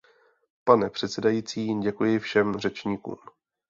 Pane předsedající, děkuji všem řečníkům.